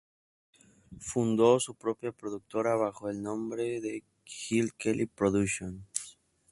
Fundó su propia productora bajo el nombre de Jill Kelly Productions.